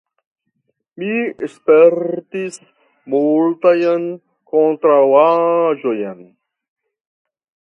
Mi spertis multajn kontraŭaĵojn.